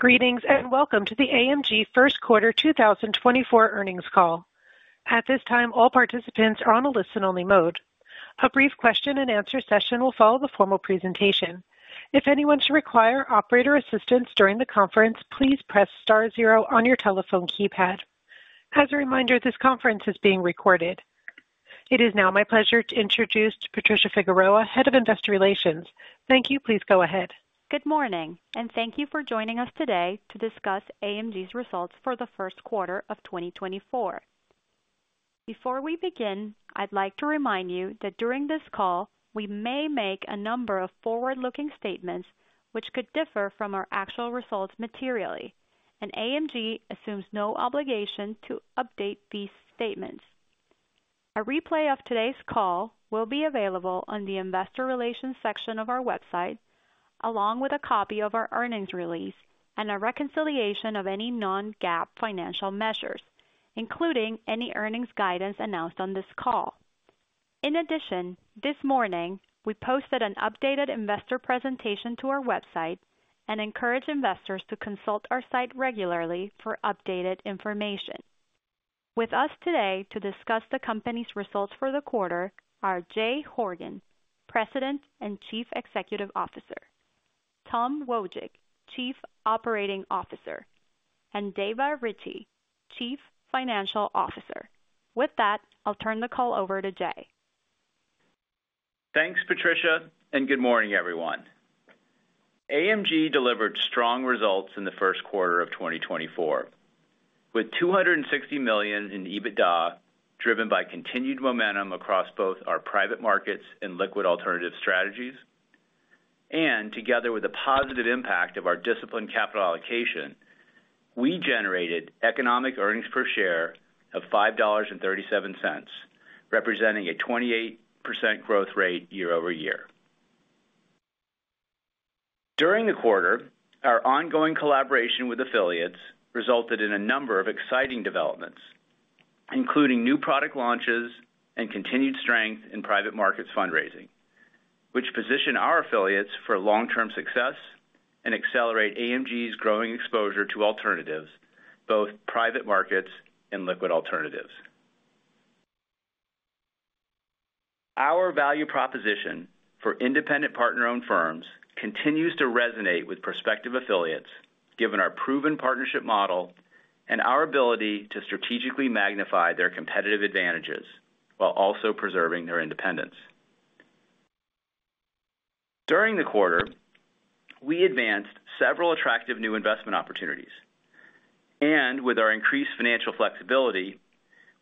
Greetings, and welcome to the AMG First Quarter 2024 Earnings Call. At this time, all participants are on a listen-only mode. A brief question-and-answer session will follow the formal presentation. If anyone should require operator assistance during the conference, please press star zero on your telephone keypad. As a reminder, this conference is being recorded. It is now my pleasure to introduce Patricia Figueroa, Head of Investor Relations. Thank you. Please go ahead. Good morning, and thank you for joining us today to discuss AMG's results for the first quarter of 2024. Before we begin, I'd like to remind you that during this call, we may make a number of forward-looking statements which could differ from our actual results materially, and AMG assumes no obligation to update these statements. A replay of today's call will be available on the investor relations section of our website, along with a copy of our earnings release and a reconciliation of any non-GAAP financial measures, including any earnings guidance announced on this call. In addition, this morning, we posted an updated investor presentation to our website and encourage investors to consult our site regularly for updated information. With us today to discuss the company's results for the quarter are Jay Horgen, President and Chief Executive Officer, Tom Wojcik, Chief Operating Officer, and Dava Ritchea, Chief Financial Officer. With that, I'll turn the call over to Jay. Thanks, Patricia, and good morning, everyone. AMG delivered strong results in the first quarter of 2024, with $260 million in EBITDA, driven by continued momentum across both our private markets and liquid alternative strategies. Together with the positive impact of our disciplined capital allocation, we generated economic earnings per share of $5.37, representing a 28% growth rate year-over-year. During the quarter, our ongoing collaboration with affiliates resulted in a number of exciting developments, including new product launches and continued strength in private markets fundraising, which position our affiliates for long-term success and accelerate AMG's growing exposure to alternatives, both private markets and liquid alternatives. Our value proposition for independent partner-owned firms continues to resonate with prospective affiliates, given our proven partnership model and our ability to strategically magnify their competitive advantages while also preserving their independence. During the quarter, we advanced several attractive new investment opportunities, and with our increased financial flexibility,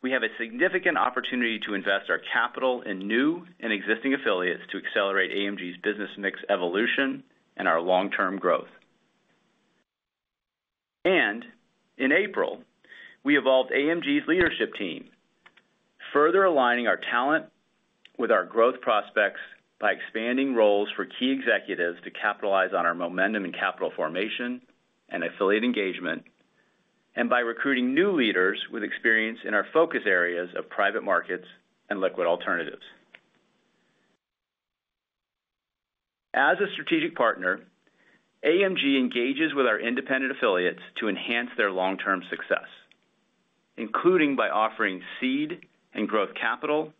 we have a significant opportunity to invest our capital in new and existing affiliates to accelerate AMG's business mix evolution and our long-term growth. In April, we evolved AMG's leadership team, further aligning our talent with our growth prospects by expanding roles for key executives to capitalize on our momentum in capital formation and affiliate engagement, and by recruiting new leaders with experience in our focus areas of private markets and liquid alternatives. As a strategic partner, AMG engages with our independent affiliates to enhance their long-term success, including by offering seed and growth capital,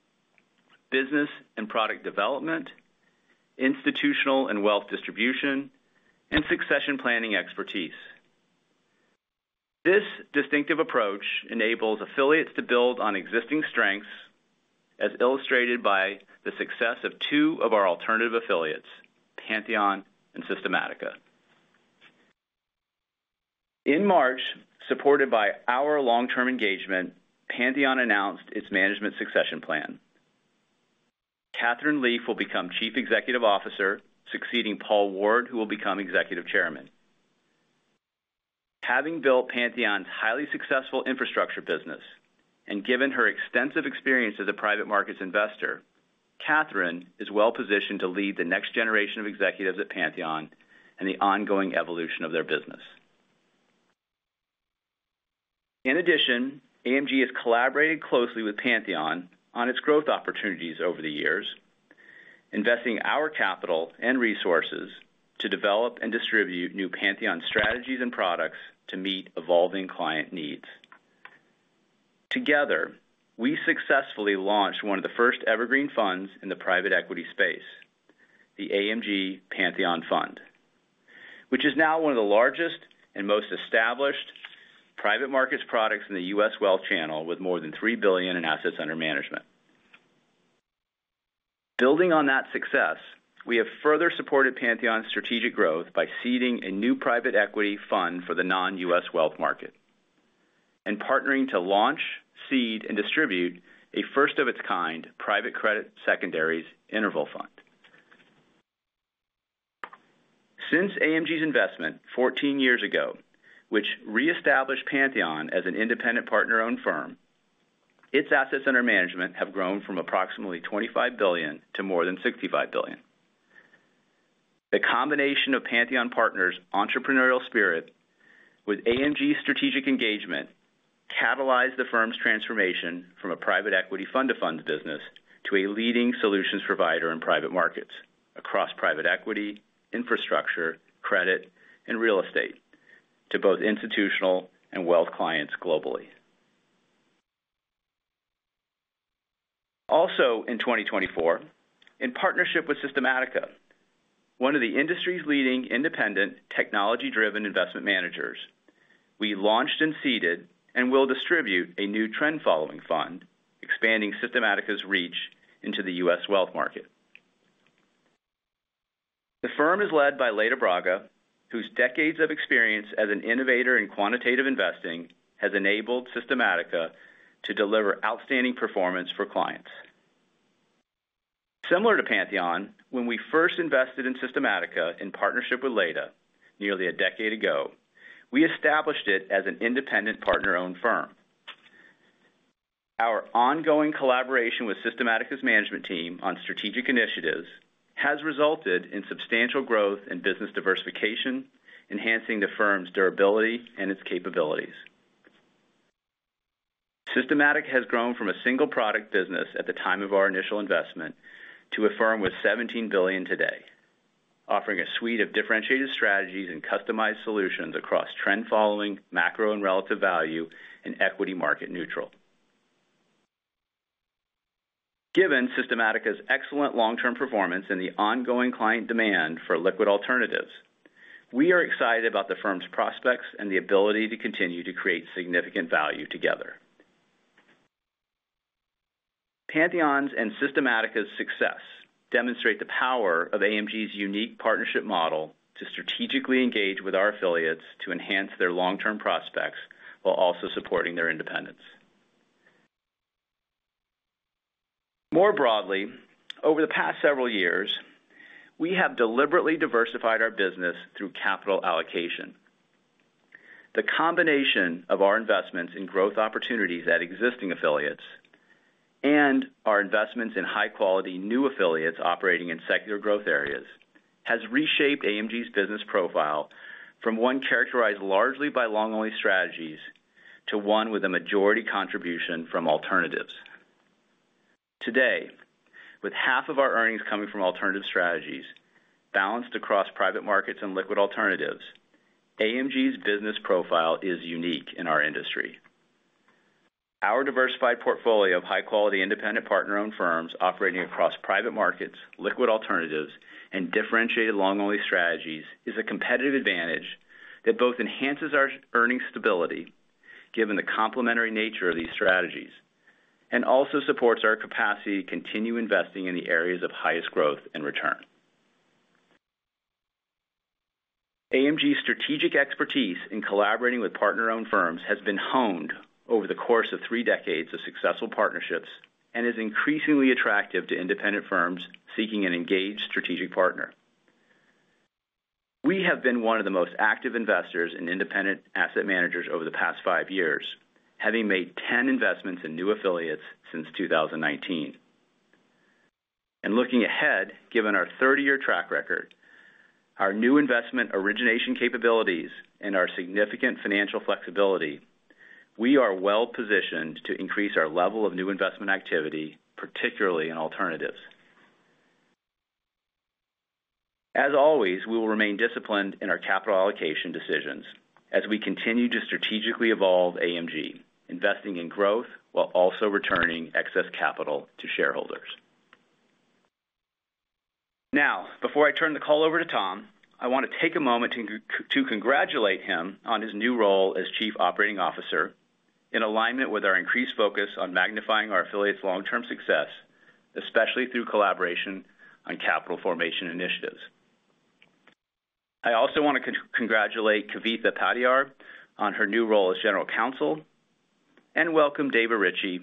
business and product development, institutional and wealth distribution, and succession planning expertise. This distinctive approach enables affiliates to build on existing strengths, as illustrated by the success of two of our alternative affiliates, Pantheon and Systematica. In March, supported by our long-term engagement, Pantheon announced its management succession plan. Kathryn Leaf will become Chief Executive Officer, succeeding Paul Ward, who will become Executive Chairman. Having built Pantheon's highly successful infrastructure business, and given her extensive experience as a private markets investor, Kathryn is well-positioned to lead the next generation of executives at Pantheon and the ongoing evolution of their business. In addition, AMG has collaborated closely with Pantheon on its growth opportunities over the years, investing our capital and resources to develop and distribute new Pantheon strategies and products to meet evolving client needs. Together, we successfully launched one of the first evergreen funds in the private equity space, the AMG Pantheon Fund, which is now one of the largest and most established private markets products in the U.S. wealth channel, with more than $3 billion in assets under management. Building on that success, we have further supported Pantheon's strategic growth by seeding a new private equity fund for the non-U.S. wealth market and partnering to launch, seed, and distribute a first-of-its-kind private credit secondaries interval fund. Since AMG's investment 14 years ago, which reestablished Pantheon as an independent partner-owned firm, its assets under management have grown from approximately $25 billion to more than $65 billion. The combination of Pantheon partners' entrepreneurial spirit with AMG's strategic engagement to catalyze the firm's transformation from a private equity fund to funds business, to a leading solutions provider in private markets, across private equity, infrastructure, credit, and real estate, to both institutional and wealth clients globally. Also, in 2024, in partnership with Systematica, one of the industry's leading independent, technology-driven investment managers, we launched and seeded and will distribute a new trend-following fund, expanding Systematica's reach into the U.S. wealth market. The firm is led by Leda Braga, whose decades of experience as an innovator in quantitative investing has enabled Systematica to deliver outstanding performance for clients. Similar to Pantheon, when we first invested in Systematica in partnership with Leda, nearly a decade ago, we established it as an independent partner-owned firm. Our ongoing collaboration with Systematica's management team on strategic initiatives has resulted in substantial growth and business diversification, enhancing the firm's durability and its capabilities. Systematica has grown from a single product business at the time of our initial investment to a firm with $17 billion today, offering a suite of differentiated strategies and customized solutions across trend following, macro and relative value, and equity market neutral. Given Systematica's excellent long-term performance and the ongoing client demand for liquid alternatives, we are excited about the firm's prospects and the ability to continue to create significant value together. Pantheon's and Systematica's success demonstrate the power of AMG's unique partnership model to strategically engage with our affiliates to enhance their long-term prospects, while also supporting their independence. More broadly, over the past several years, we have deliberately diversified our business through capital allocation. The combination of our investments in growth opportunities at existing affiliates, and our investments in high-quality new affiliates operating in secular growth areas, has reshaped AMG's business profile from one characterized largely by long-only strategies to one with a majority contribution from alternatives. Today, with half of our earnings coming from alternative strategies, balanced across private markets and liquid alternatives, AMG's business profile is unique in our industry. Our diversified portfolio of high-quality, independent partner-owned firms operating across private markets, liquid alternatives, and differentiated long-only strategies, is a competitive advantage that both enhances our earnings stability, given the complementary nature of these strategies, and also supports our capacity to continue investing in the areas of highest growth and return. AMG's strategic expertise in collaborating with partner-owned firms has been honed over the course of three decades of successful partnerships and is increasingly attractive to independent firms seeking an engaged strategic partner. We have been one of the most active investors in independent asset managers over the past five years, having made 10 investments in new affiliates since 2019. Looking ahead, given our 30-year track record, our new investment origination capabilities, and our significant financial flexibility, we are well positioned to increase our level of new investment activity, particularly in alternatives. As always, we will remain disciplined in our capital allocation decisions as we continue to strategically evolve AMG, investing in growth while also returning excess capital to shareholders. Now, before I turn the call over to Tom, I want to take a moment to congratulate him on his new role as Chief Operating Officer in alignment with our increased focus on magnifying our affiliates' long-term success, especially through collaboration on capital formation initiatives. I also want to congratulate Kavita Padiyar on her new role as General Counsel, and welcome Dava Ritchea,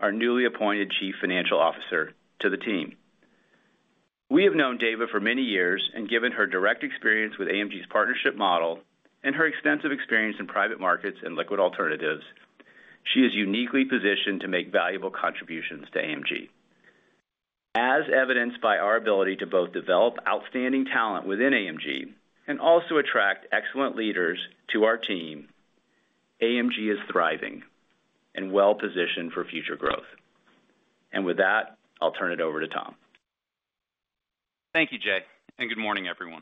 our newly appointed Chief Financial Officer, to the team. We have known Dava for many years and given her direct experience with AMG's partnership model and her extensive experience in private markets and liquid alternatives, she is uniquely positioned to make valuable contributions to AMG. As evidenced by our ability to both develop outstanding talent within AMG and also attract excellent leaders to our team, AMG is thriving and well positioned for future growth. With that, I'll turn it over to Tom. Thank you, Jay, and good morning, everyone.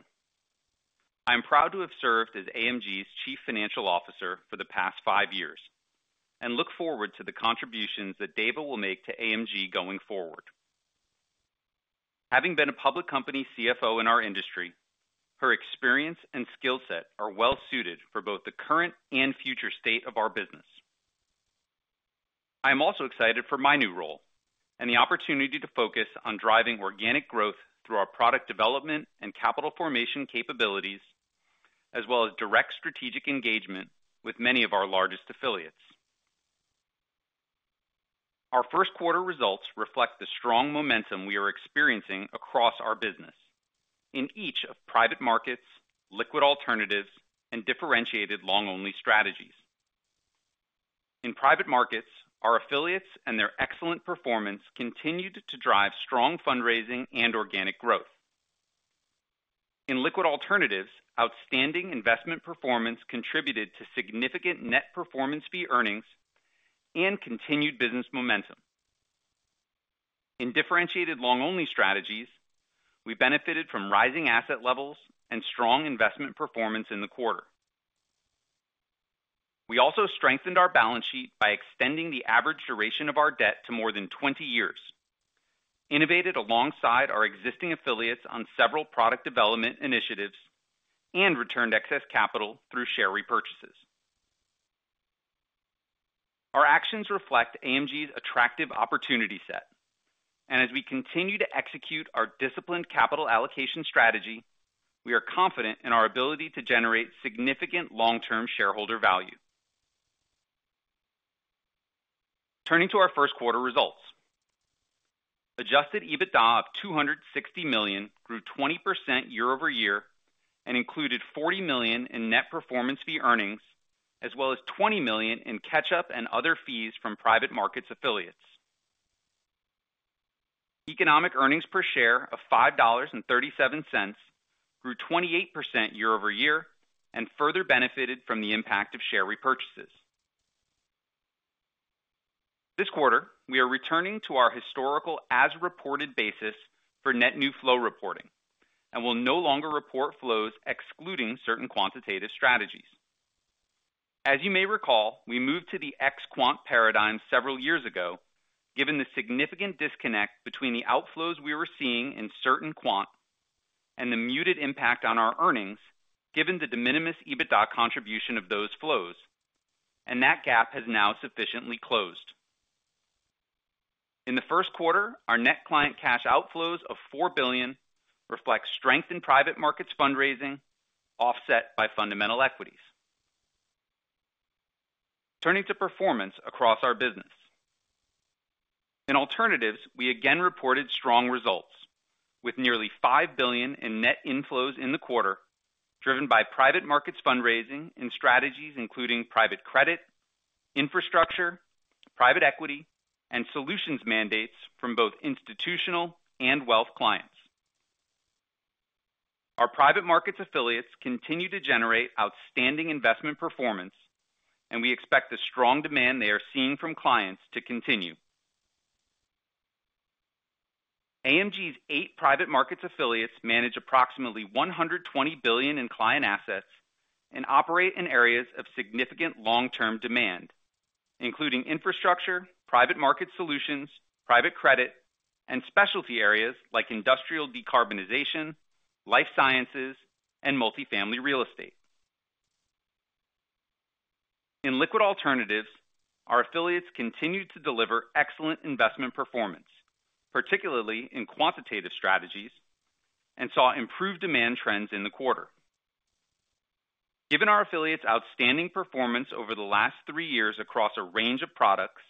I'm proud to have served as AMG's chief financial officer for the past five years, and look forward to the contributions that Dava will make to AMG going forward. Having been a public company CFO in our industry, her experience and skill set are well suited for both the current and future state of our business. I am also excited for my new role and the opportunity to focus on driving organic growth through our product development and capital formation capabilities, as well as direct strategic engagement with many of our largest affiliates. Our first quarter results reflect the strong momentum we are experiencing across our business in each of private markets, liquid alternatives, and differentiated long-only strategies. In private markets, our affiliates and their excellent performance continued to drive strong fundraising and organic growth. In liquid alternatives, outstanding investment performance contributed to significant net performance fee earnings and continued business momentum. In differentiated long-only strategies, we benefited from rising asset levels and strong investment performance in the quarter. We also strengthened our balance sheet by extending the average duration of our debt to more than 20 years, innovated alongside our existing affiliates on several product development initiatives, and returned excess capital through share repurchases. Our actions reflect AMG's attractive opportunity set, and as we continue to execute our disciplined capital allocation strategy, we are confident in our ability to generate significant long-term shareholder value. Turning to our first quarter results. Adjusted EBITDA of $260 million grew 20% year-over-year and included $40 million in net performance fee earnings, as well as $20 million in catch-up and other fees from private markets affiliates. Economic earnings per share of $5.37 grew 28% year-over-year, and further benefited from the impact of share repurchases. This quarter, we are returning to our historical as-reported basis for net new flow reporting and will no longer report flows excluding certain quantitative strategies. As you may recall, we moved to the ex-quant paradigm several years ago, given the significant disconnect between the outflows we were seeing in certain quant and the muted impact on our earnings, given the de minimis EBITDA contribution of those flows, and that gap has now sufficiently closed. In the first quarter, our net client cash outflows of $4 billion reflects strength in private markets fundraising, offset by fundamental equities. Turning to performance across our business. In alternatives, we again reported strong results, with nearly $5 billion in net inflows in the quarter, driven by private markets fundraising and strategies, including private credit, infrastructure, private equity, and solutions mandates from both institutional and wealth clients. Our private markets affiliates continue to generate outstanding investment performance, and we expect the strong demand they are seeing from clients to continue. AMG's eight private markets affiliates manage approximately $120 billion in client assets and operate in areas of significant long-term demand, including infrastructure, private market solutions, private credit, and specialty areas like industrial decarbonization, life sciences, and multifamily real estate. In liquid alternatives, our affiliates continued to deliver excellent investment performance, particularly in quantitative strategies, and saw improved demand trends in the quarter. Given our affiliates' outstanding performance over the last three years across a range of products,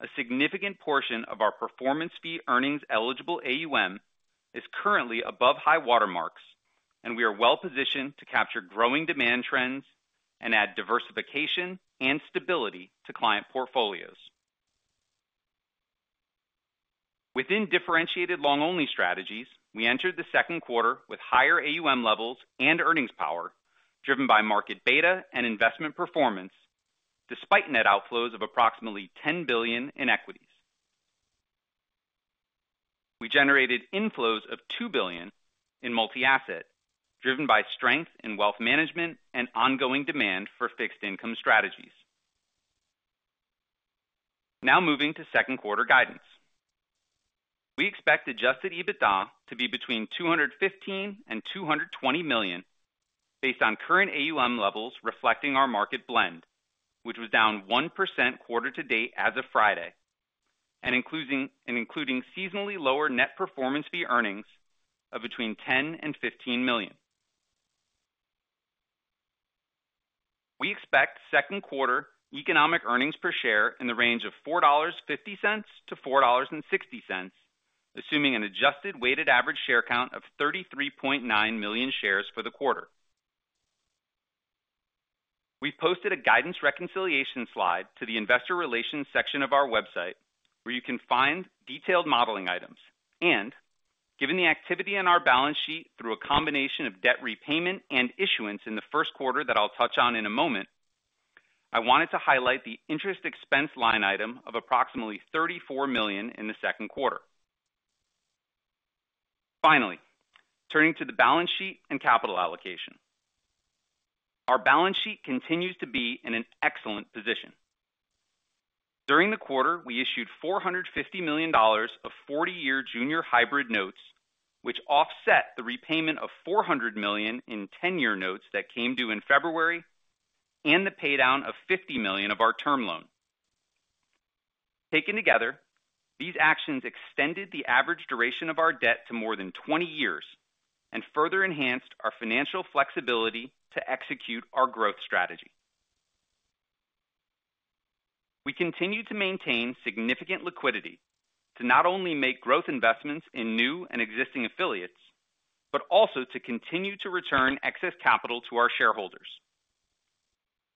a significant portion of our performance fee earnings eligible AUM is currently above high-water marks, and we are well positioned to capture growing demand trends and add diversification and stability to client portfolios. Within differentiated long-only strategies, we entered the second quarter with higher AUM levels and earnings power, driven by market beta and investment performance, despite net outflows of approximately $10 billion in equities. We generated inflows of $2 billion in multi-asset, driven by strength in wealth management and ongoing demand for fixed income strategies. Now moving to second quarter guidance. We expect Adjusted EBITDA to be between $215 million and $220 million, based on current AUM levels, reflecting our market blend, which was down 1% quarter-to-date as of Friday, and including seasonally lower net performance fee earnings of between $10 million and $15 million. We expect second quarter economic earnings per share in the range of $4.50-$4.60, assuming an adjusted weighted average share count of 33.9 million shares for the quarter. We've posted a guidance reconciliation slide to the investor relations section of our website, where you can find detailed modeling items. Given the activity in our balance sheet through a combination of debt repayment and issuance in the first quarter that I'll touch on in a moment, I wanted to highlight the interest expense line item of approximately $34 million in the second quarter. Finally, turning to the balance sheet and capital allocation. Our balance sheet continues to be in an excellent position. During the quarter, we issued $450 million of 40-year junior hybrid notes, which offset the repayment of $400 million in 10-year notes that came due in February, and the paydown of $50 million of our term loan. Taken together, these actions extended the average duration of our debt to more than 20 years and further enhanced our financial flexibility to execute our growth strategy. We continue to maintain significant liquidity to not only make growth investments in new and existing affiliates, but also to continue to return excess capital to our shareholders.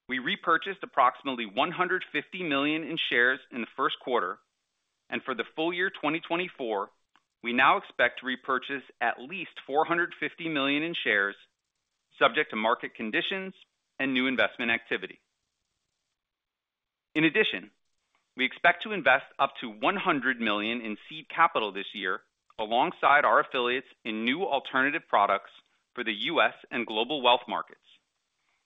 We repurchased approximately $150 million in shares in the first quarter, and for the full year, 2024, we now expect to repurchase at least $450 million in shares, subject to market conditions and new investment activity. In addition, we expect to invest up to $100 million in seed capital this year, alongside our affiliates in new alternative products for the U.S. and global wealth markets,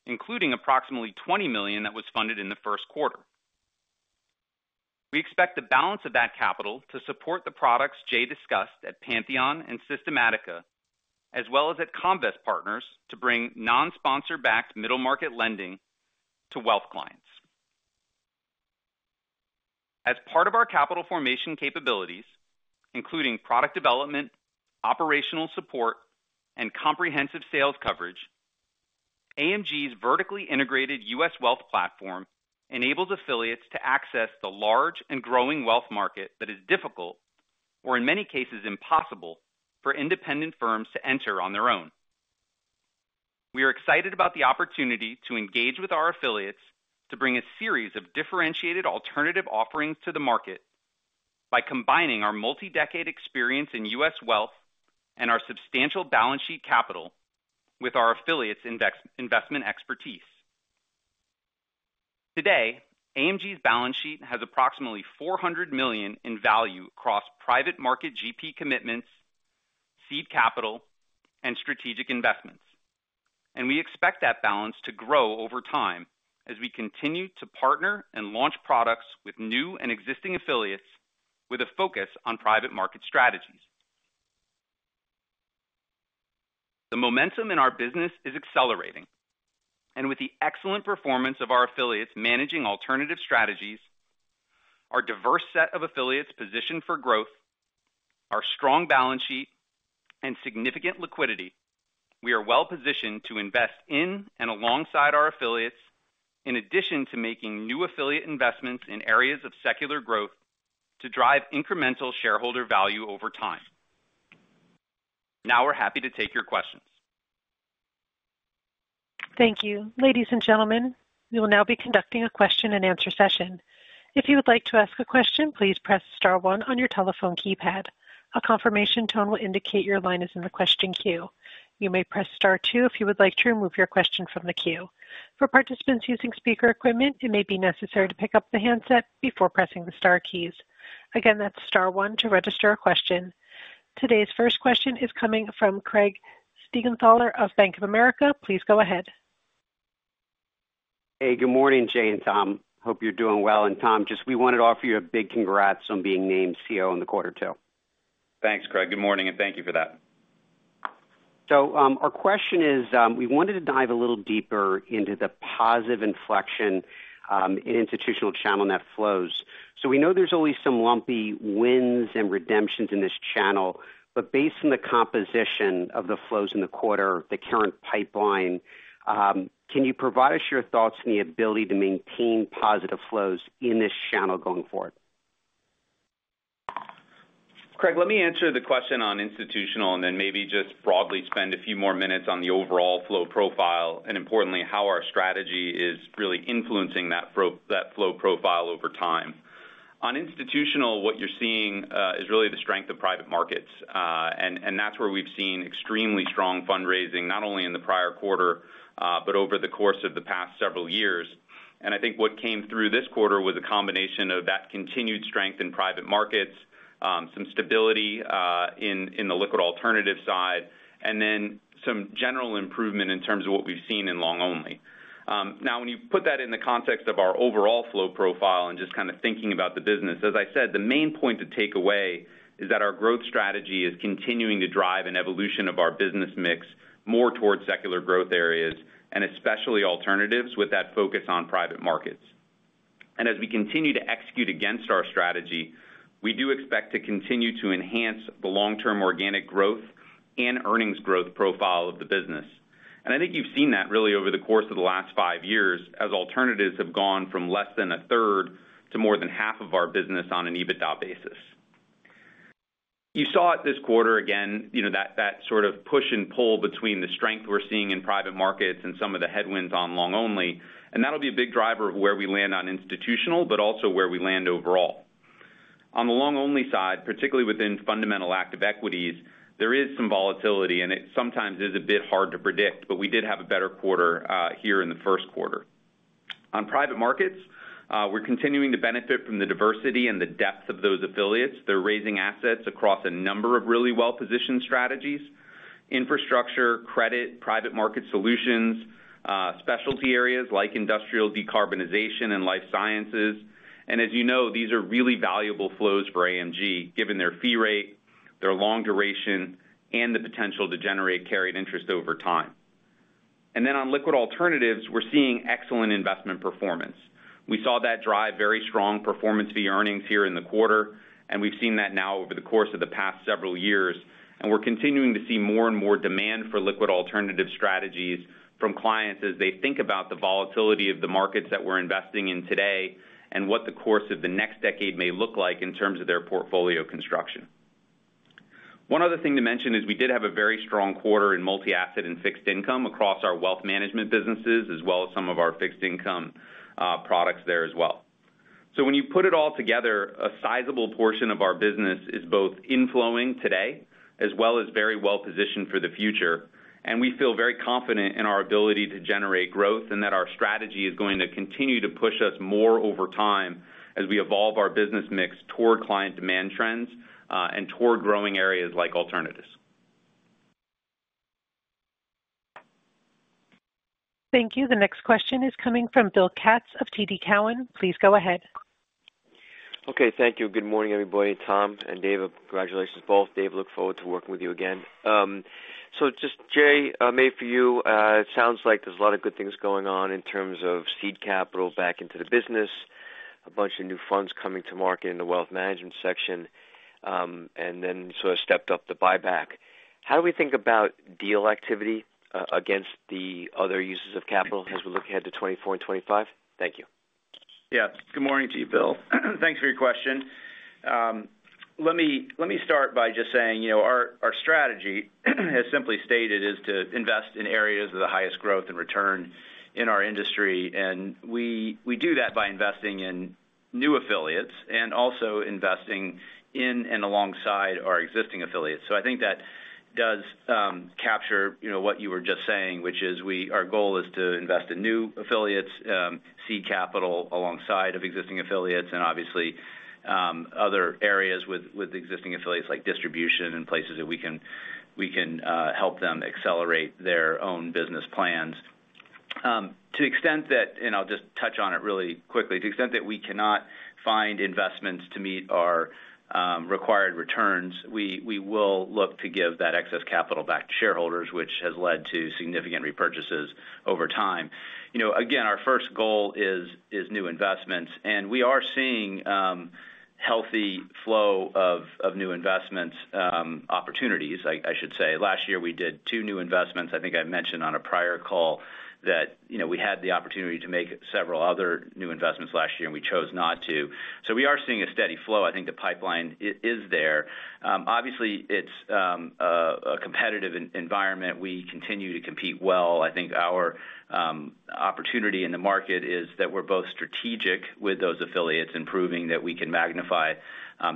including approximately $20 million that was funded in the first quarter. We expect the balance of that capital to support the products Jay discussed at Pantheon and Systematica, as well as at Comvest Partners, to bring non-sponsor-backed middle-market lending to wealth clients. As part of our capital formation capabilities, including product development, operational support, and comprehensive sales coverage, AMG's vertically integrated U.S. wealth platform enables affiliates to access the large and growing wealth market that is difficult, or in many cases, impossible, for independent firms to enter on their own. We are excited about the opportunity to engage with our affiliates to bring a series of differentiated alternative offerings to the market by combining our multi-decade experience in U.S. wealth and our substantial balance sheet capital with our affiliates' index investment expertise. Today, AMG's balance sheet has approximately $400 million in value across private market GP commitments, seed capital, and strategic investments, and we expect that balance to grow over time as we continue to partner and launch products with new and existing affiliates with a focus on private market strategies. The momentum in our business is accelerating, and with the excellent performance of our affiliates managing alternative strategies, our diverse set of affiliates positioned for growth, our strong balance sheet, and significant liquidity, we are well-positioned to invest in and alongside our affiliates, in addition to making new affiliate investments in areas of secular growth to drive incremental shareholder value over time. Now we're happy to take your questions. Thank you. Ladies, and gentlemen, we will now be conducting a question-and-answer session. If you would like to ask a question, please press star one on your telephone keypad. A confirmation tone will indicate your line is in the question queue. You may press star two if you would like to remove your question from the queue. For participants using speaker equipment, it may be necessary to pick up the handset before pressing the star keys. Again, that's star one to register a question. Today's first question is coming from Craig Siegenthaler of Bank of America. Please go ahead. Hey, good morning, Jay and Tom. Hope you're doing well. And Tom, just we wanted to offer you a big congrats on being named CEO in the quarter two. Thanks, Craig. Good morning, and thank you for that. Our question is, we wanted to dive a little deeper into the positive inflection in institutional channel net flows. We know there's always some lumpy wins and redemptions in this channel, but based on the composition of the flows in the quarter, the current pipeline, can you provide us your thoughts on the ability to maintain positive flows in this channel going forward? Craig, let me answer the question on institutional and then maybe just broadly spend a few more minutes on the overall flow profile, and importantly, how our strategy is really influencing that flow profile over time. On institutional, what you're seeing is really the strength of private markets, and that's where we've seen extremely strong fundraising, not only in the prior quarter, but over the course of the past several years. I think what came through this quarter was a combination of that continued strength in private markets, some stability in the liquid alternative side, and then some general improvement in terms of what we've seen in long-only. Now, when you put that in the context of our overall flow profile and just kind of thinking about the business, as I said, the main point to take away is that our growth strategy is continuing to drive an evolution of our business mix more towards secular growth areas, and especially alternatives, with that focus on private markets. And as we continue to execute against our strategy, we do expect to continue to enhance the long-term organic growth and earnings growth profile of the business. And I think you've seen that really over the course of the last five years, as alternatives have gone from less than a third to more than half of our business on an EBITDA basis. You saw it this quarter, again, you know, that, that sort of push and pull between the strength we're seeing in private markets and some of the headwinds on long-only, and that'll be a big driver of where we land on institutional, but also where we land overall. On the long-only side, particularly within fundamental active equities, there is some volatility, and it sometimes is a bit hard to predict, but we did have a better quarter here in the first quarter. On private markets, we're continuing to benefit from the diversity and the depth of those affiliates. They're raising assets across a number of really well-positioned strategies, infrastructure, credit, private market solutions, specialty areas like industrial decarbonization and life sciences. As you know, these are really valuable flows for AMG, given their fee rate, their long duration, and the potential to generate carried interest over time. Then on liquid alternatives, we're seeing excellent investment performance. We saw that drive very strong performance fee earnings here in the quarter, and we've seen that now over the course of the past several years. We're continuing to see more and more demand for liquid alternative strategies from clients as they think about the volatility of the markets that we're investing in today and what the course of the next decade may look like in terms of their portfolio construction.... One other thing to mention is we did have a very strong quarter in multi-asset and fixed income across our wealth management businesses, as well as some of our fixed income products there as well. When you put it all together, a sizable portion of our business is both inflowing today, as well as very well-positioned for the future. We feel very confident in our ability to generate growth and that our strategy is going to continue to push us more over time as we evolve our business mix toward client demand trends, and toward growing areas like alternatives. Thank you. The next question is coming from Bill Katz of TD Cowen. Please go ahead. Okay, thank you. Good morning, everybody. Tom and Dava, congratulations both. Dava, look forward to working with you again. Just Jay, maybe for you, it sounds like there's a lot of good things going on in terms of seed capital back into the business, a bunch of new funds coming to market in the wealth management section, and then sort of stepped up the buyback. How do we think about deal activity against the other uses of capital as we look ahead to 2024 and 2025? Thank you. Yeah. Good morning to you, Bill. Thanks for your question. Let me start by just saying, you know, our strategy, as simply stated, is to invest in areas of the highest growth and return in our industry, and we do that by investing in new affiliates and also investing in and alongside our existing affiliates. So I think that does capture, you know, what you were just saying, which is our goal is to invest in new affiliates, seed capital alongside of existing affiliates and obviously other areas with existing affiliates, like distribution and places that we can help them accelerate their own business plans. To the extent that, and I'll just touch on it really quickly, to the extent that we cannot find investments to meet our required returns, we will look to give that excess capital back to shareholders, which has led to significant repurchases over time. You know, again, our first goal is new investments, and we are seeing healthy flow of new investments opportunities, I should say. Last year, we did two new investments. I think I mentioned on a prior call that, you know, we had the opportunity to make several other new investments last year, and we chose not to. So we are seeing a steady flow. I think the pipeline is there. Obviously, it's a competitive environment. We continue to compete well. I think our opportunity in the market is that we're both strategic with those affiliates and proving that we can magnify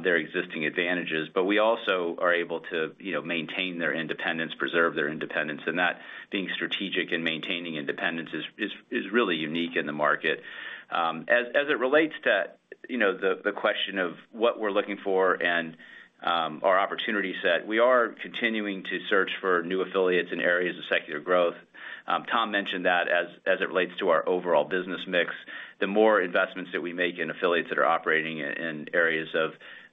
their existing advantages. But we also are able to, you know, maintain their independence, preserve their independence, and that being strategic and maintaining independence is really unique in the market. As it relates to, you know, the question of what we're looking for and our opportunity set, we are continuing to search for new affiliates in areas of secular growth. Tom mentioned that as it relates to our overall business mix, the more investments that we make in affiliates that are operating in areas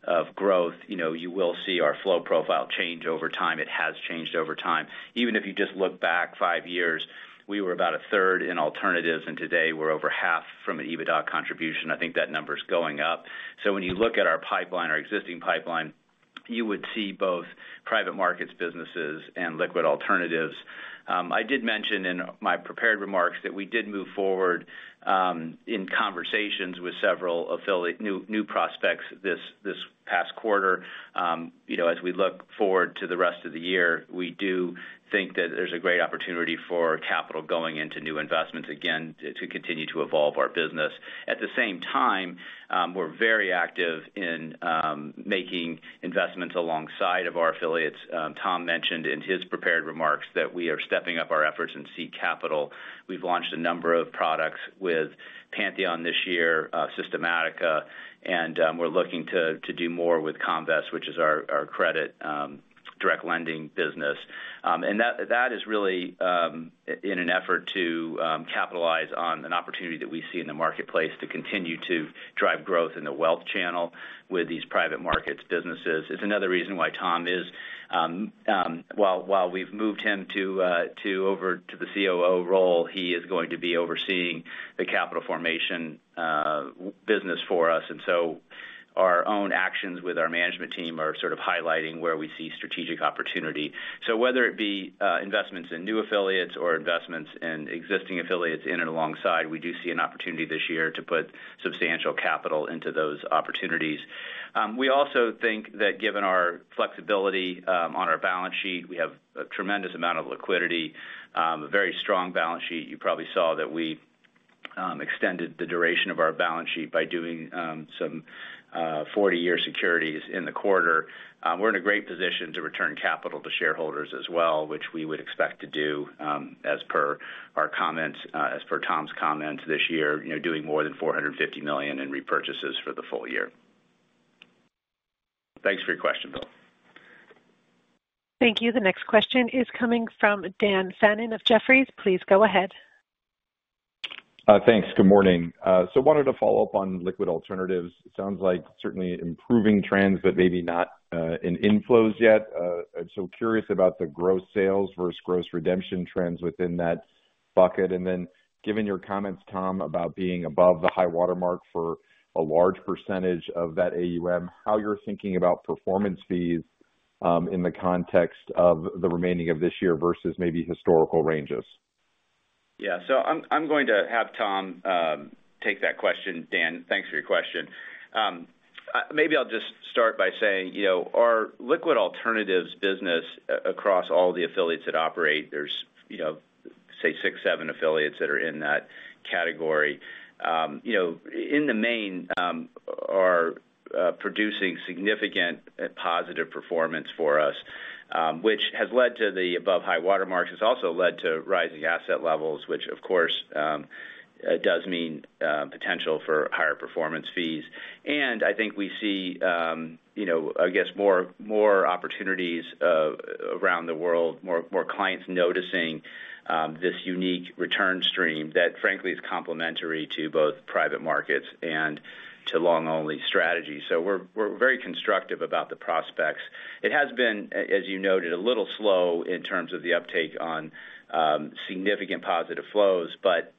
of growth, you know, you will see our flow profile change over time. It has changed over time. Even if you just look back five years, we were about a third in alternatives, and today we're over half from an EBITDA contribution. I think that number is going up. So when you look at our pipeline, our existing pipeline, you would see both private markets businesses, and liquid alternatives. I did mention in my prepared remarks that we did move forward in conversations with several affiliate new prospects this past quarter. You know, as we look forward to the rest of the year, we do think that there's a great opportunity for capital going into new investments, again, to continue to evolve our business. At the same time, we're very active in making investments alongside of our affiliates. Tom mentioned in his prepared remarks that we are stepping up our efforts in seed capital. We've launched a number of products with Pantheon this year, Systematica, and we're looking to do more with Comvest, which is our credit direct lending business. And that is really in an effort to capitalize on an opportunity that we see in the marketplace to continue to drive growth in the wealth channel with these private markets businesses. It's another reason why Tom is, while we've moved him to over to the COO role, he is going to be overseeing the capital formation business for us. And so our own actions with our management team are sort of highlighting where we see strategic opportunity. So whether it be investments in new affiliates or investments in existing affiliates in and alongside, we do see an opportunity this year to put substantial capital into those opportunities. We also think that given our flexibility on our balance sheet, we have a tremendous amount of liquidity, a very strong balance sheet. You probably saw that we extended the duration of our balance sheet by doing some 40-year securities in the quarter. We're in a great position to return capital to shareholders as well, which we would expect to do as per our comments, as per Tom's comments this year. You're doing more than $450 million in repurchases for the full year. Thanks for your question, Bill. Thank you. The next question is coming from Dan Fannon of Jefferies. Please go ahead. Thanks. Good morning. So wanted to follow up on liquid alternatives. It sounds like certainly improving trends, but maybe not in inflows yet. I'm so curious about the gross sales versus gross redemption trends within that bucket. And then, given your comments, Tom, about being above the high water mark for a large percentage of that AUM, how you're thinking about performance fees in the context of the remaining of this year versus maybe historical ranges? Yeah, so I'm going to have Tom take that question, Dan. Thanks for your question. Maybe I'll just start by saying, you know, our liquid alternatives business across all the affiliates that operate, there's, you know, say, six, seven affiliates that are in that category in the main producing significant positive performance for us, which has led to the above high water marks. It's also led to rising asset levels, which, of course, does mean potential for higher performance fees. And I think we see, you know, I guess, more, more opportunities around the world, more, more clients noticing this unique return stream that, frankly, is complementary to both private markets and to long-only strategies. So we're very constructive about the prospects. It has been, as you noted, a little slow in terms of the uptake on significant positive flows, but,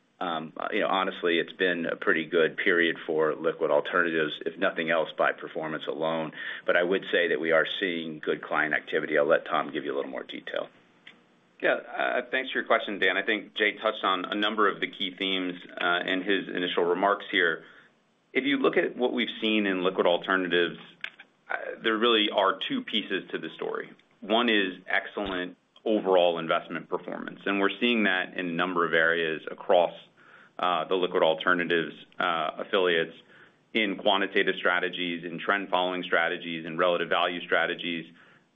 you know, honestly, it's been a pretty good period for liquid alternatives, if nothing else, by performance alone. But I would say that we are seeing good client activity. I'll let Tom give you a little more detail. Yeah, thanks for your question, Dan. I think Jay touched on a number of the key themes in his initial remarks here. If you look at what we've seen in liquid alternatives, there really are two pieces to the story. One is excellent overall investment performance, and we're seeing that in a number of areas across the liquid alternatives affiliates in quantitative strategies, in trend following strategies, in relative value strategies.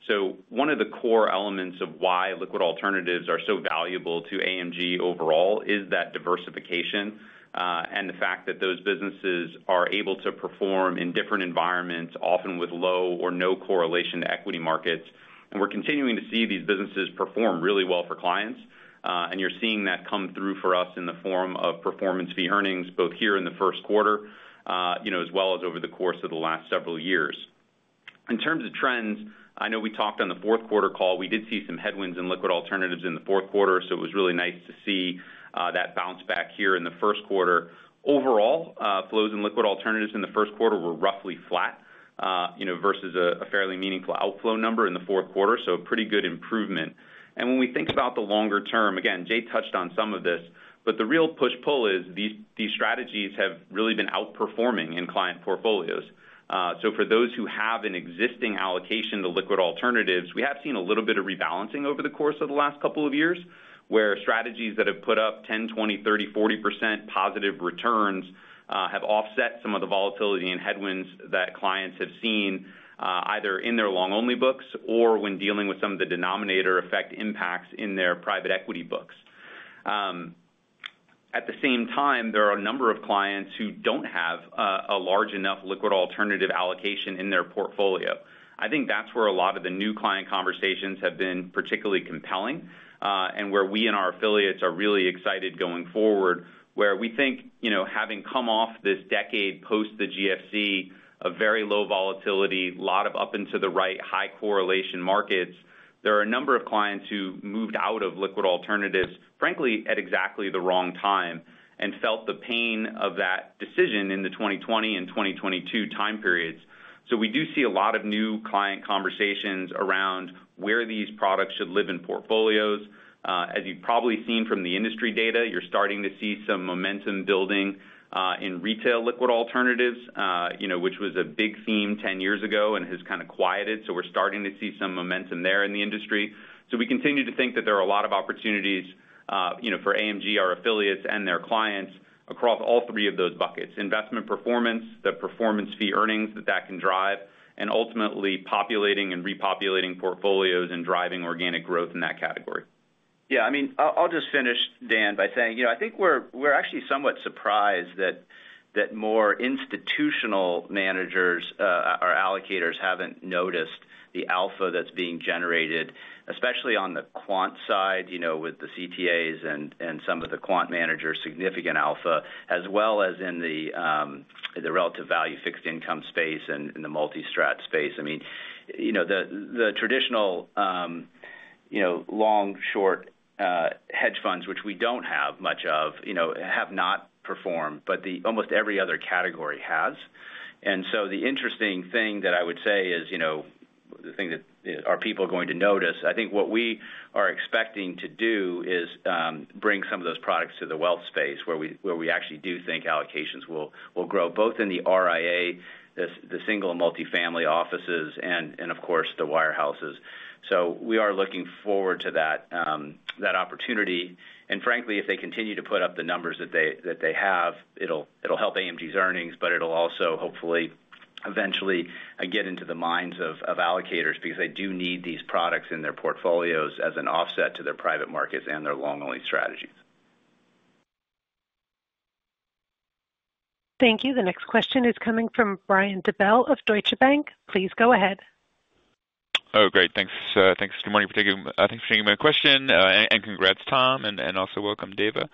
So one of the core elements of why liquid alternatives are so valuable to AMG overall is that diversification, and the fact that those businesses are able to perform in different environments, often with low or no correlation to equity markets. We're continuing to see these businesses perform really well for clients, and you're seeing that come through for us in the form of performance fee earnings, both here in the first quarter, you know, as well as over the course of the last several years. In terms of trends, I know we talked on the fourth quarter call, we did see some headwinds in liquid alternatives in the fourth quarter, so it was really nice to see that bounce back here in the first quarter. Overall, flows in liquid alternatives in the first quarter were roughly flat, you know, versus a fairly meaningful outflow number in the fourth quarter, so a pretty good improvement. When we think about the longer term, again, Jay touched on some of this, but the real push-pull is these, these strategies have really been outperforming in client portfolios. So for those who have an existing allocation to liquid alternatives, we have seen a little bit of rebalancing over the course of the last couple of years, where strategies that have put up 10%, 20%, 30%, 40% positive returns have offset some of the volatility and headwinds that clients have seen either in their long-only books or when dealing with some of the denominator effect impacts in their private equity books. At the same time, there are a number of clients who don't have a large enough liquid alternative allocation in their portfolio. I think that's where a lot of the new client conversations have been particularly compelling, and where we and our affiliates are really excited going forward, where we think, you know, having come off this decade post the GFC, a very low volatility, a lot of up into the right, high correlation markets, there are a number of clients who moved out of liquid alternatives, frankly, at exactly the wrong time, and felt the pain of that decision in the 2020 and 2022 time periods. So we do see a lot of new client conversations around where these products should live in portfolios. As you've probably seen from the industry data, you're starting to see some momentum building in retail liquid alternatives, you know, which was a big theme 10 years ago and has kind of quieted. We're starting to see some momentum there in the industry. We continue to think that there are a lot of opportunities, you know, for AMG, our affiliates, and their clients across all three of those buckets, investment performance, the performance fee earnings that that can drive, and ultimately populating and repopulating portfolios and driving organic growth in that category. Yeah, I mean, I'll just finish, Dan, by saying, you know, I think we're actually somewhat surprised that more institutional managers or allocators haven't noticed the alpha that's being generated, especially on the quant side, you know, with the CTAs and some of the quant managers, significant alpha, as well as in the relative value fixed income space and in the multi-strat space. I mean, you know, the traditional long-short hedge funds, which we don't have much of, you know, have not performed, but almost every other category has. And so the interesting thing that I would say is, you know, the thing that our people are going to notice, I think what we are expecting to do is bring some of those products to the wealth space, where we actually do think allocations will grow, both in the RIA, the single and multifamily offices, and of course, the wirehouses. So we are looking forward to that opportunity. And frankly, if they continue to put up the numbers that they have, it'll help AMG's earnings, but it'll also hopefully, eventually get into the minds of allocators, because they do need these products in their portfolios as an offset to their private markets and their long-only strategies. Thank you. The next question is coming from Brian Bedell of Deutsche Bank. Please go ahead. Oh, great. Thanks, thanks... Good morning. Thank you, thanks for taking my question, and, and congrats, Tom, and, and also welcome, Dava.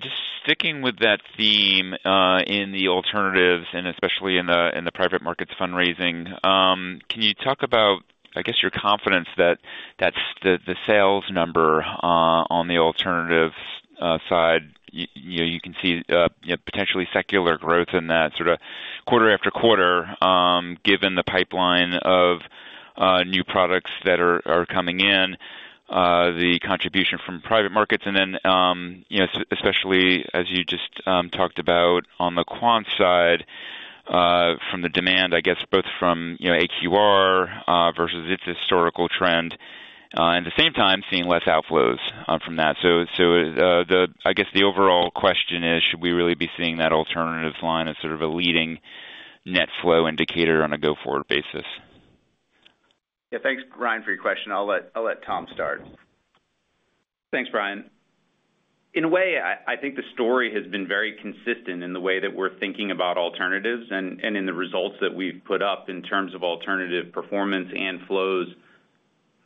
Just sticking with that theme, in the alternatives and especially in the private markets fundraising, can you talk about, I guess, your confidence that, that's the sales number on the alternatives side, you know, you can see, you know, potentially secular growth in that sort of quarter-after-quarter, given the pipeline of new products that are coming in, the contribution from private markets, and then, you know, especially as you just talked about on the quant side, from the demand, I guess, both from, you know, AQR, versus its historical trend, and at the same time, seeing less outflows, from that. So, I guess the overall question is, should we really be seeing that alternatives line as sort of a leading net flow indicator on a go-forward basis? Yeah, thanks, Brian, for your question. I'll let Tom start. Thanks, Brian. In a way, I think the story has been very consistent in the way that we're thinking about alternatives and in the results that we've put up in terms of alternative performance and flows,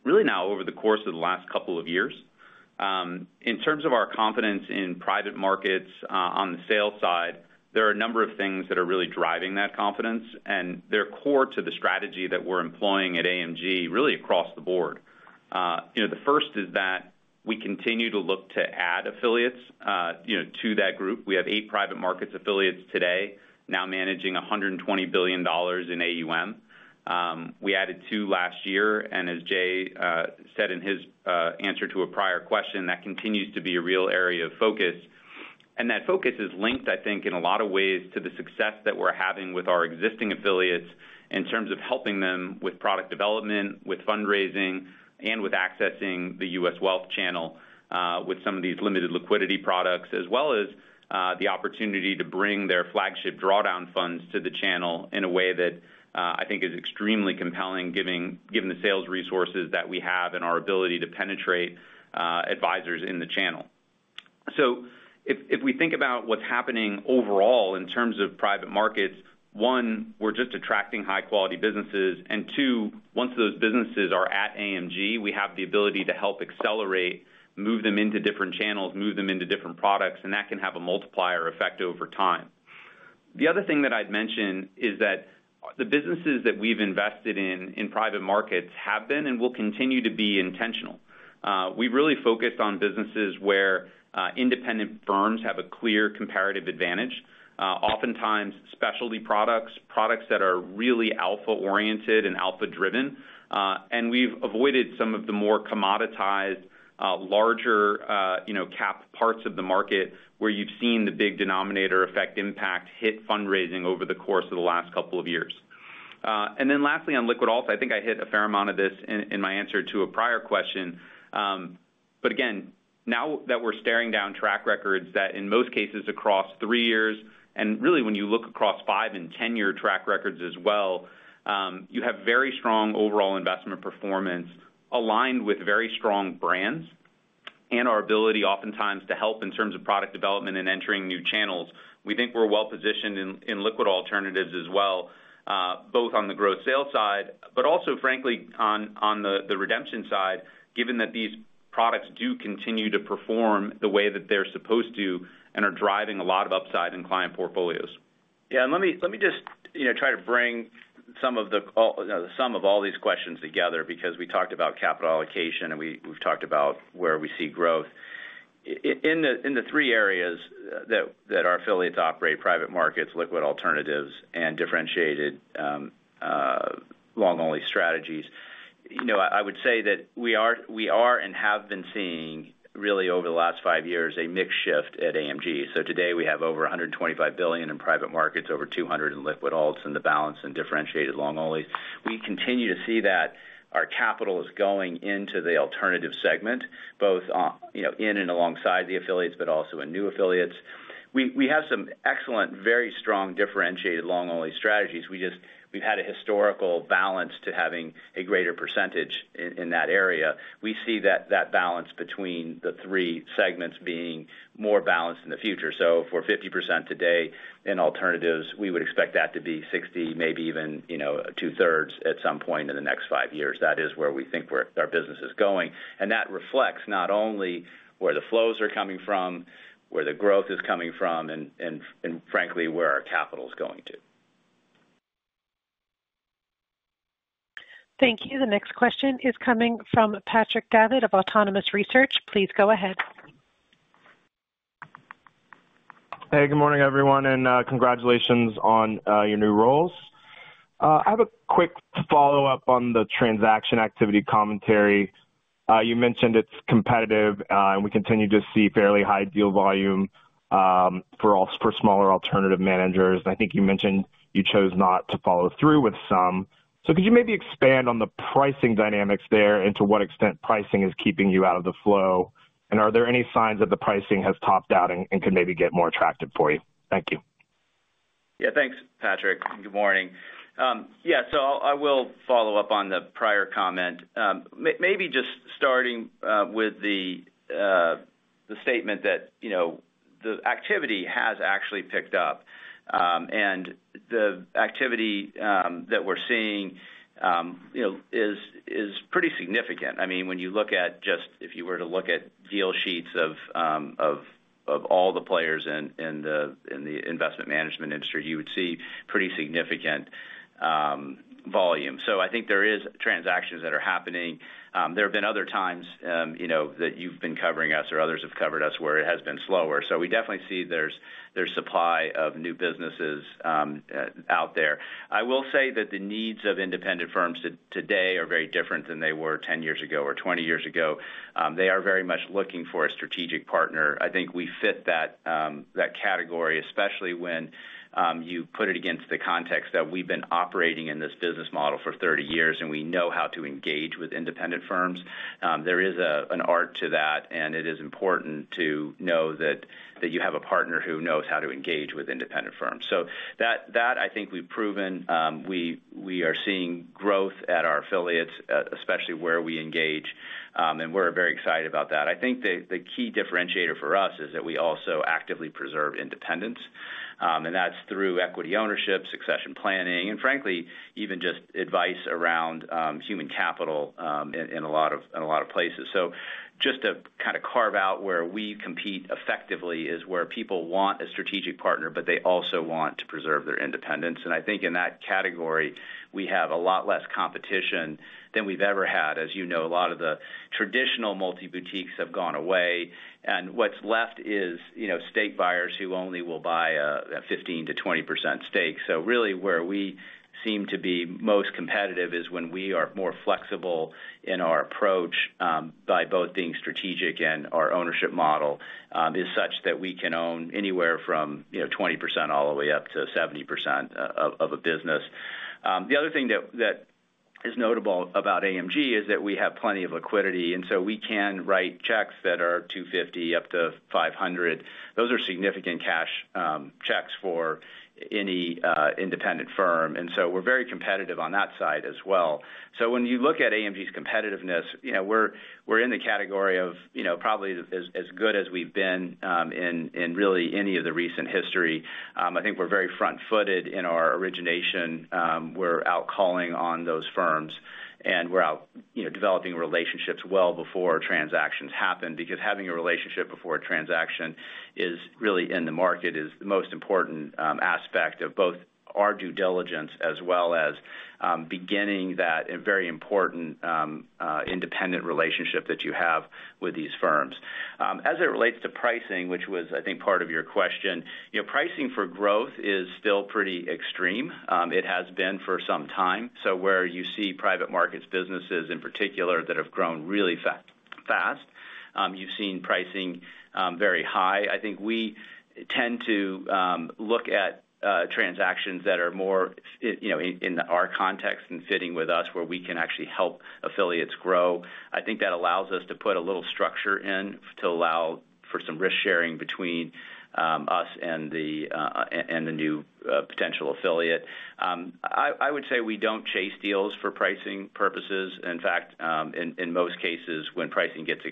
really now over the course of the last couple of years. In terms of our confidence in private markets, on the sales side, there are a number of things that are really driving that confidence, and they're core to the strategy that we're employing at AMG, really across the board. You know, the first is that we continue to look to add affiliates, you know, to that group. We have eight private markets affiliates today, now managing $120 billion in AUM. We added two last year, and as Jay said in his answer to a prior question, that continues to be a real area of focus. And that focus is linked, I think, in a lot of ways, to the success that we're having with our existing affiliates in terms of helping them with product development, with fundraising, and with accessing the U.S. wealth channel, with some of these limited liquidity products, as well as the opportunity to bring their flagship drawdown funds to the channel in a way that I think is extremely compelling, given the sales resources that we have and our ability to penetrate advisors in the channel. So if, if we think about what's happening overall in terms of private markets, one, we're just attracting high-quality businesses, and two, once those businesses are at AMG, we have the ability to help accelerate, move them into different channels, move them into different products, and that can have a multiplier effect over time. The other thing that I'd mention is that the businesses that we've invested in, in private markets have been, and will continue to be intentional. We've really focused on businesses where independent firms have a clear comparative advantage, oftentimes specialty products, products that are really alpha-oriented and alpha-driven. And we've avoided some of the more commoditized, larger, you know, cap parts of the market, where you've seen the big denominator effect impact hit fundraising over the course of the last couple of years. And then lastly, on liquid alts, I think I hit a fair amount of this in, in my answer to a prior question. But again, now that we're staring down track records, that in most cases, across three years, and really when you look across five- and 10-year track records as well, you have very strong overall investment performance aligned with very strong brands and our ability, oftentimes, to help in terms of product development and entering new channels. We think we're well positioned in, in liquid alternatives as well, both on the growth sales side, but also, frankly, on, on the, the redemption side, given that these products do continue to perform the way that they're supposed to and are driving a lot of upside in client portfolios. Yeah, let me, let me just, you know, try to bring some of the, the sum of all these questions together, because we talked about capital allocation, and we, we've talked about where we see growth. In the, in the three areas that our affiliates operate, private markets, liquid alternatives, and differentiated long-only strategies, you know, I would say that we are, we are and have been seeing, really over the last five years, a mix shift at AMG. So today, we have over $125 billion in private markets, over $200 billion in liquid alts, and the balance in differentiated long-only. We continue to see that our capital is going into the alternative segment, both, you know, in and alongside the affiliates, but also in new affiliates. We, we have some excellent, very strong, differentiated long-only strategies. We've had a historical balance to having a greater percentage in that area. We see that balance between the three segments being more balanced in the future. So for 50% today in alternatives, we would expect that to be 60%, maybe even, you know, 2/3 at some point in the next five years. That is where we think our business is going, and that reflects not only where the flows are coming from, where the growth is coming from, and frankly, where our capital is going to. Thank you. The next question is coming from Patrick Davitt of Autonomous Research. Please go ahead. Hey, good morning, everyone, and congratulations on your new roles. I have a quick follow-up on the transaction activity commentary. You mentioned it's competitive, and we continue to see fairly high deal volume for smaller alternative managers, and I think you mentioned you chose not to follow through with some. So could you maybe expand on the pricing dynamics there and to what extent pricing is keeping you out of the flow? And are there any signs that the pricing has topped out and could maybe get more attractive for you? Thank you. Yeah, thanks, Patrick, good morning. Yeah, so I will follow up on the prior comment. Maybe just starting with the statement that, you know, the activity has actually picked up, and the activity that we're seeing, you know, is pretty significant. I mean, when you look at just, if you were to look at deal sheets of all the players in the investment management industry, you would see pretty significant volume. So I think there is transactions that are happening. There have been other times, you know, that you've been covering us or others have covered us, where it has been slower. So we definitely see there's supply of new businesses out there. I will say that the needs of independent firms today are very different than they were 10 years ago or 20 years ago. They are very much looking for a strategic partner. I think we fit that category, especially when you put it against the context that we've been operating in this business model for 30 years, and we know how to engage with independent firms. There is an art to that, and it is important to know that you have a partner who knows how to engage with independent firms. So that I think we've proven. We are seeing growth at our affiliates, especially where we engage, and we're very excited about that. I think the key differentiator for us is that we also actively preserve independence, and that's through equity ownership, succession planning, and frankly, even just advice around human capital in a lot of places. So just to kind of carve out where we compete effectively is where people want a strategic partner, but they also want to preserve their independence. And I think in that category, we have a lot less competition than we've ever had. As you know, a lot of the traditional multi-boutiques have gone away, and what's left is, you know, stake buyers who only will buy a 15%-20% stake. So really, where we seem to be most competitive is when we are more flexible in our approach, by both being strategic and our ownership model is such that we can own anywhere from, you know, 20% all the way up to 70% of a business. The other thing that is notable about AMG is that we have plenty of liquidity, and so we can write checks that are $250-$500. Those are significant cash checks for any independent firm, and so we're very competitive on that side as well. So when you look at AMG's competitiveness, you know, we're in the category of, you know, probably as good as we've been in really any of the recent history. I think we're very front-footed in our origination. We're out calling on those firms, and we're out, you know, developing relationships well before transactions happen, because having a relationship before a transaction is really in the market is the most important aspect of both our due diligence, as well as beginning that a very important independent relationship that you have with these firms. As it relates to pricing, which was, I think, part of your question, you know, pricing for growth is still pretty extreme. It has been for some time. So where you see private markets businesses in particular that have grown really fast, you've seen pricing very high. I think we tend to look at transactions that are more, you know, in our context and fitting with us, where we can actually help affiliates grow. I think that allows us to put a little structure in to allow for some risk-sharing between us and the new potential affiliate. I would say we don't chase deals for pricing purposes. In fact, in most cases, when pricing gets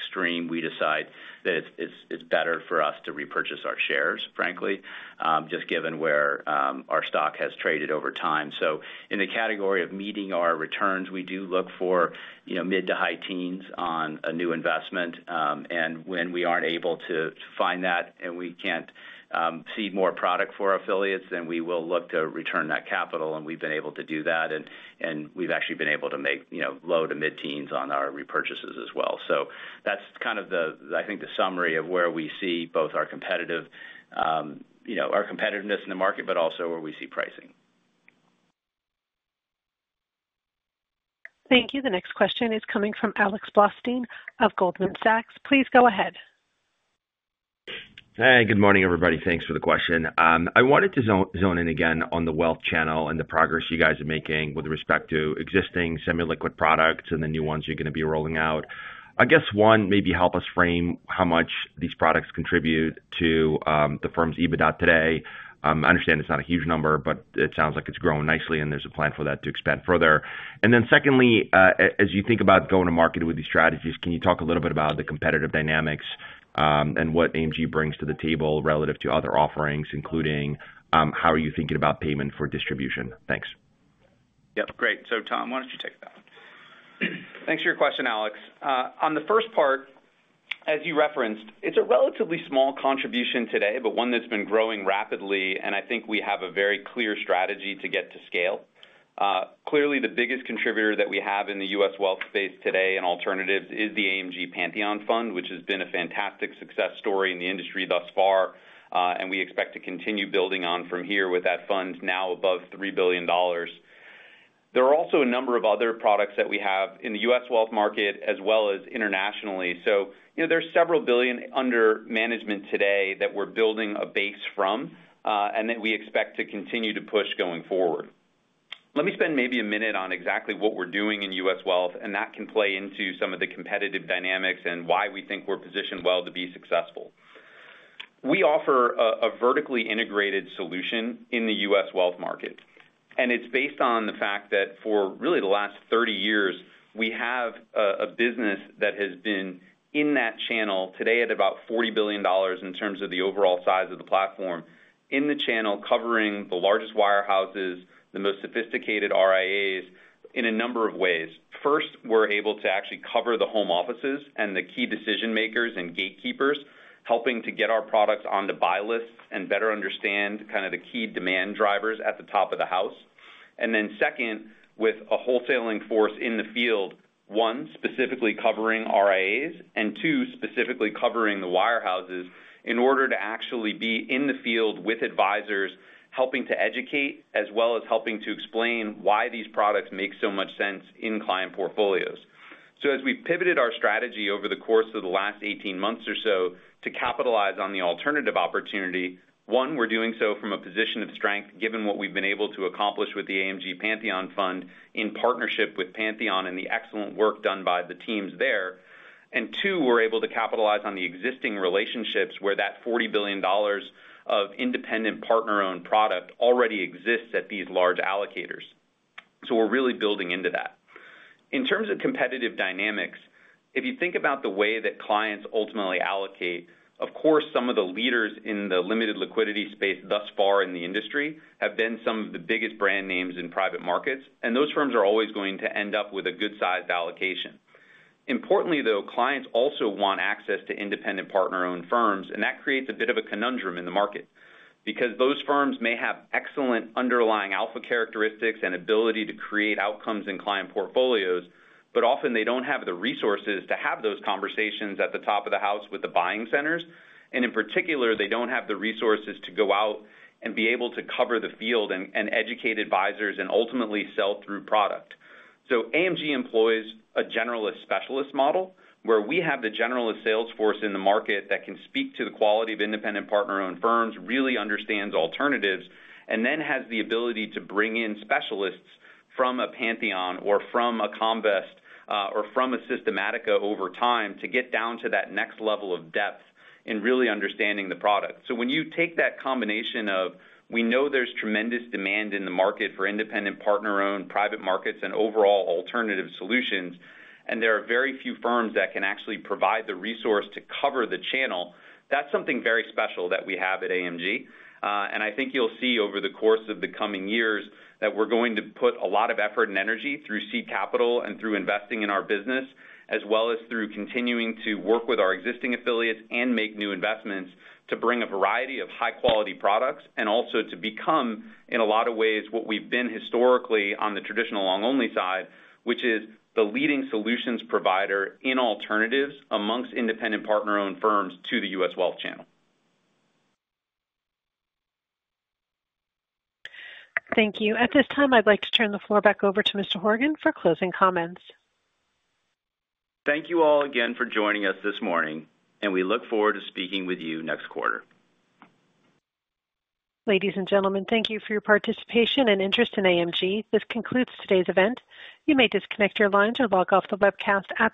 extreme, we decide that it's better for us to repurchase our shares, frankly, just given where our stock has traded over time. So in the category of meeting our returns, we do look for, you know, mid to high teens on a new investment, and when we aren't able to find that and we can't seed more product for our affiliates, then we will look to return that capital, and we've been able to do that, and we've actually been able to make, you know, low to mid-teens on our repurchases as well. So that's kind of the... I think, the summary of where we see both our competitive, you know, our competitiveness in the market, but also where we see pricing. Thank you. The next question is coming from Alex Blostein of Goldman Sachs. Please go ahead. Hey, good morning, everybody. Thanks for the question. I wanted to zone in again on the wealth channel and the progress you guys are making with respect to existing semi-liquid products and the new ones you're gonna be rolling out. I guess, one, maybe help us frame how much these products contribute to, the firm's EBITDA today. I understand it's not a huge number, but it sounds like it's growing nicely, and there's a plan for that to expand further. And then secondly, as you think about going to market with these strategies, can you talk a little bit about the competitive dynamics, and what AMG brings to the table relative to other offerings, including, how are you thinking about payment for distribution? Thanks. Yep, great. So Tom, why don't you take that? Thanks for your question, Alex. On the first part, as you referenced, it's a relatively small contribution today, but one that's been growing rapidly, and I think we have a very clear strategy to get to scale. Clearly, the biggest contributor that we have in the U.S. wealth space today in alternatives is the AMG Pantheon Fund, which has been a fantastic success story in the industry thus far, and we expect to continue building on from here with that fund now above $3 billion. There are also a number of other products that we have in the U.S. wealth market, as well as internationally. So you know, there's $several billion under management today that we're building a base from, and that we expect to continue to push going forward. Let me spend maybe a minute on exactly what we're doing in U.S. wealth, and that can play into some of the competitive dynamics and why we think we're positioned well to be successful. We offer a, a vertically integrated solution in the U.S. wealth market, and it's based on the fact that for really the last 30 years, we have a, a business that has been in that channel, today at about $40 billion in terms of the overall size of the platform, in the channel, covering the largest wirehouses, the most sophisticated RIAs... in a number of ways. First, we're able to actually cover the home offices and the key decision makers and gatekeepers, helping to get our products on the buy list and better understand kind of the key demand drivers at the top of the house. Then second, with a wholesaling force in the field, One, specifically covering RIAs, and Two, specifically covering the wirehouses in order to actually be in the field with advisors, helping to educate, as well as helping to explain why these products make so much sense in client portfolios. As we've pivoted our strategy over the course of the last 18 months or so to capitalize on the alternative opportunity, One, we're doing so from a position of strength, given what we've been able to accomplish with the AMG Pantheon Fund in partnership with Pantheon and the excellent work done by the teams there. Two, we're able to capitalize on the existing relationships where that $40 billion of independent partner-owned product already exists at these large allocators. We're really building into that. In terms of competitive dynamics, if you think about the way that clients ultimately allocate, of course, some of the leaders in the limited liquidity space thus far in the industry have been some of the biggest brand names in private markets, and those firms are always going to end up with a good-sized allocation. Importantly, though, clients also want access to independent partner-owned firms, and that creates a bit of a conundrum in the market, because those firms may have excellent underlying alpha characteristics and ability to create outcomes in client portfolios, but often they don't have the resources to have those conversations at the top of the house with the buying centers, and in particular, they don't have the resources to go out and be able to cover the field and educate advisors and ultimately sell through product. So AMG employs a generalist specialist model, where we have the generalist sales force in the market that can speak to the quality of independent partner-owned firms, really understands alternatives, and then has the ability to bring in specialists from a Pantheon or from a Comvest, or from a Systematica over time to get down to that next level of depth in really understanding the product. So when you take that combination of, we know there's tremendous demand in the market for independent partner-owned private markets and overall alternative solutions, and there are very few firms that can actually provide the resource to cover the channel, that's something very special that we have at AMG. I think you'll see over the course of the coming years that we're going to put a lot of effort and energy through seed capital and through investing in our business, as well as through continuing to work with our existing affiliates and make new investments to bring a variety of high-quality products, and also to become, in a lot of ways, what we've been historically on the traditional long-only side, which is the leading solutions provider in alternatives amongst independent partner-owned firms to the U.S. wealth channel. Thank you. At this time, I'd like to turn the floor back over to Mr. Horgen for closing comments. Thank you all again for joining us this morning, and we look forward to speaking with you next quarter. Ladies, and gentlemen, thank you for your participation and interest in AMG. This concludes today's event. You may disconnect your lines or log off the webcast at..